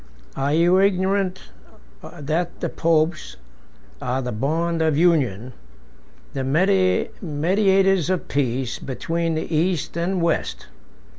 34 Are you ignorant that the popes are the bond of union, the mediators of peace, between the East and West?